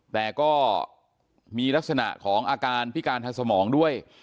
แต่ก็มีลักษณะของอาการพิการทางสมองด้วย